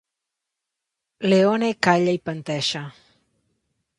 Leone calla i panteixa.